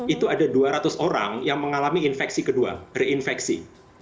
itu ada dua ratus orang yang mengalami infeksi kedua reinfeksi